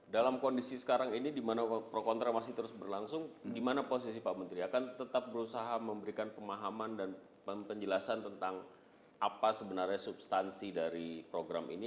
dalam kondisi sekarang ini dimana pro kontra masih terus berlangsung di mana posisi pak menteri akan tetap berusaha memberikan pemahaman dan penjelasan tentang apa sebenarnya substansi dari program ini